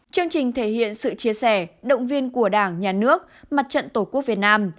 chương trình thể hiện sự chia sẻ động viên của đảng nhà nước mặt trận tổ quốc việt nam